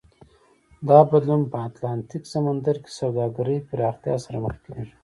دا بدلون په اتلانتیک سمندر کې سوداګرۍ پراختیا سره مخ کېږي.